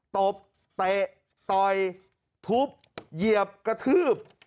ตบเตะต่อยทุบเหยียบกระทืบ